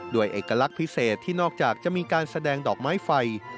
เอกลักษณ์พิเศษที่นอกจากจะมีการแสดงดอกไม้ไฟ